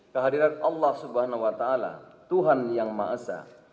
kehadiran allah swt tuhan yang ma'asa